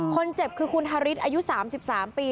คนเจ็บคือคุณฮาริสอายุ๓๓ปี